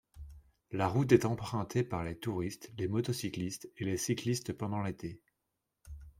La route est empruntée par les touristes, les motocyclistes et les cyclistes pendant l'été.